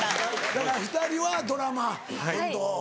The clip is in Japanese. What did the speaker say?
だから２人はドラマ今度。